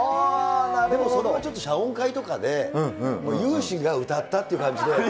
それもちょっと謝恩会とかで有志が歌ったっていう感じで。